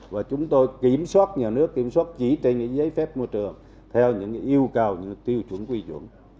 và chúng tôi kiểm soát nhà nước kiểm soát chỉ trên giấy phép môi trường theo những yêu cầu như tiêu chuẩn quy chuẩn